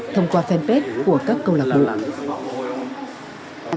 thông qua fanpage của các câu lạc bộ